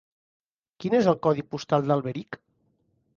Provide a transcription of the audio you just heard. Quin és el codi postal d'Alberic?